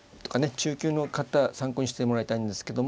中級の方参考にしてもらいたいんですけども。